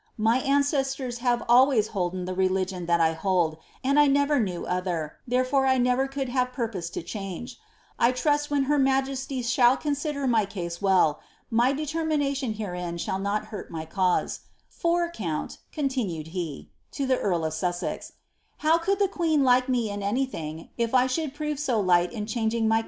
My ancestors have always holden the religion that I hold, r knew other, therefore I never could have purpose to change. I her majesty shall consider my case well, my determination herein irt my cause. For, count,' continued he (to tlie earl of 8u88ex),*how neen like me in anjrthing if I should prove so light in changing my